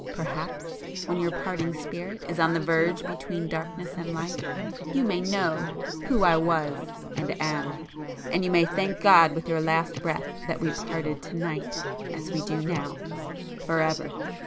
Perhaps, when your parting spirit is on the verge between darkness and light, you may know who I was, and am!—and you may thank God with your last breath that we parted to night—as we do now—forever!"